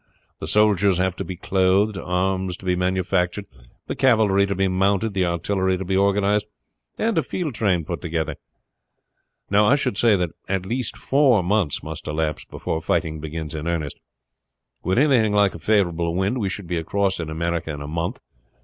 The soldiers have to clothed, arms to be manufactured, the cavalry to be mounted, the artillery to be organized, and a field train got together. No, I should say that at least four months must elapse before fighting begins in earnest. With anything like a favorable wind we should be across in America in a month.